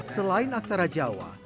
selain aksara jawa